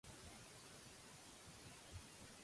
No es pot conrear cap cama-rojar.